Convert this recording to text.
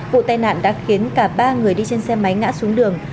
vụ tai nạn đã khiến cả ba người đi trên xe máy ngã xuống đường